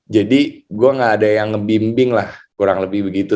jadi gue gak ada yang ngebimbing lah kurang lebih begitu